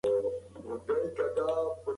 صبر او حوصله په داسې شرایطو کې خورا مهم دي.